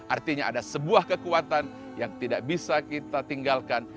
artinya ada sebuah kekuatan yang tidak bisa kita tinggalkan